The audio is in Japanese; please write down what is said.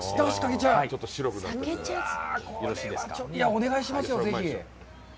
お願いしますよ、ぜひ！